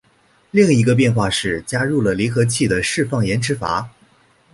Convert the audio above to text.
另一个变化是加入了离合器的释放延迟阀。